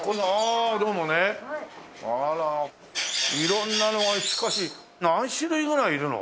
色んなのがしかし何種類ぐらいいるの？